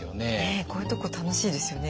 こういうとこ楽しいですよね。